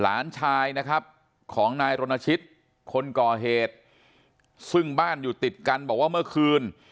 หลานชายนะครับของนายรณชิตคนก่อเหตุซึ่งบ้านอยู่ติดกันบอกว่าเมื่อคืน